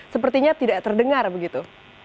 sepertinya tidak terdengar begitu